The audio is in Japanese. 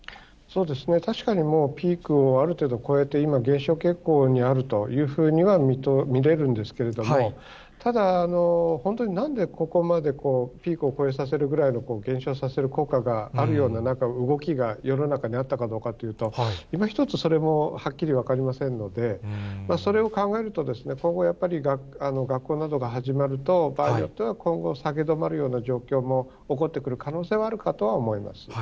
確かにもうピークをある程度越えて、今、減少傾向にあるというふうには見れるんですけれども、ただ、本当になんでここまでピークを越えさせるぐらいの、減少させる効果があるような動きが世の中にあったかどうかというと、いまひとつそれもはっきり分かりませんので、それを考えると、今後やっぱり、学校などが始まると、場合によっては、今後、下げ止まるような状況も起こってくる可能性はあるかとは思います。